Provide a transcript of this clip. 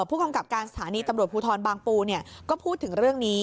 ผู้กำกับการสถานีตำรวจภูทรบางปูก็พูดถึงเรื่องนี้